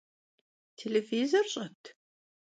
Têlêvizor ş'et?